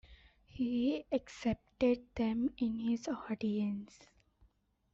He accepted them in his audience.